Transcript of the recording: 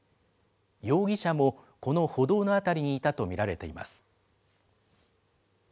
容疑者も、この歩道の辺りにいたと見られています。